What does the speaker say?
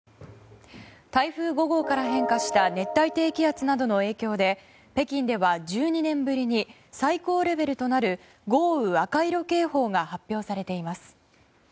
台風５号から変化した熱帯低気圧などの影響で北京では１２年ぶりに最高レベルとなる豪雨赤色警報が発表されています。